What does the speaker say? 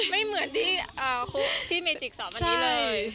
ไม่เหมือนที่พี่เมจิกสอนวันนี้เลย